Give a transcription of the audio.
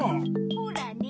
ほらね。